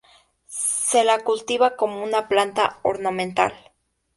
Se la cultiva como una planta ornamental.